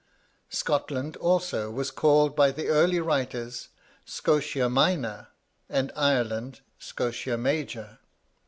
Scotland also was called by the early writers Scotia Minor, and Ireland, Scotia Major.